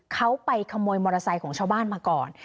เขาไปขโมยมอเตอร์ไซค์ของชาวบ้านมาก่อน